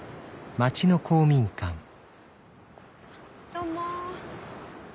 どうも。